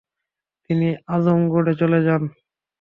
তিনি আজমগড়ে চলে যান।